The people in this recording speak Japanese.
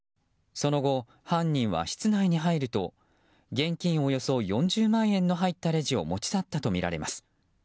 その後、犯人は室内に入ると現金およそ４０万円の入ったレジを持ち去ったとみられます。